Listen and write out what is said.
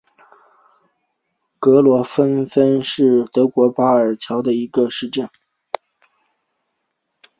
格罗尔芬根是德国巴伐利亚州的一个市镇。